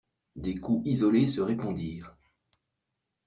Des coups isolés se répondirent.